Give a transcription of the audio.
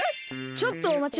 ちょっとおまちを。